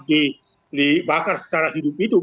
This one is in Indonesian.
dibakar secara hidup hidup